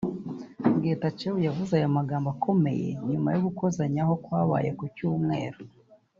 Getachew yavuze aya magambo akomeye nyuma y’ugukozanyaho kwabaye ku Cyumweru